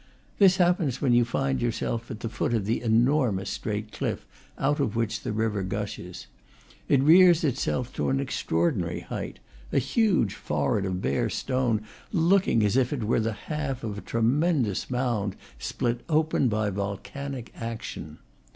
This happens when you find yourself at the foot of the enormous straight cliff out of which the river gushes. It rears itself to an extraordinary height, a huge forehead of bare stone, looking as if it were the half of a tremendous mound, split open by volcanic action.